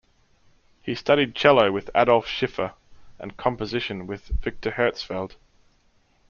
He studied cello with Adolf Schiffer and composition with Viktor Herzfeld.